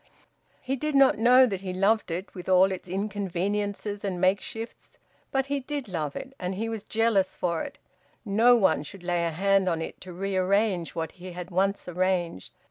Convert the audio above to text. He did not know that he loved it, with all its inconveniences and makeshifts; but he did love it, and he was jealous for it; no one should lay a hand on it to rearrange what he had once arranged.